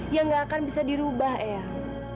ya gak akan bisa dirubah ya